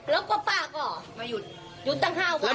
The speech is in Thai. แล้วป้าก็หยุดตั้งห้าวัน